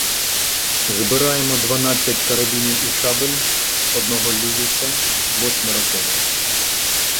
Збираємо дванадцять карабінів і шабель, одного "Люїса", восьмеро коней.